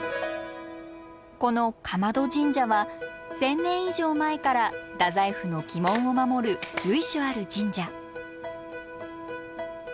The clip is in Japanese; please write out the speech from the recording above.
この竈門神社は１，０００年以上前から太宰府の鬼門を守る由緒ある神社。